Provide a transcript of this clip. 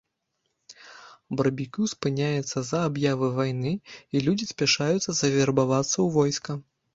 Барбекю спыняецца з-за аб'явы вайны, і людзі спяшаюцца завербавацца ў войска.